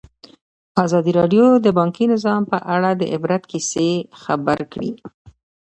ازادي راډیو د بانکي نظام په اړه د عبرت کیسې خبر کړي.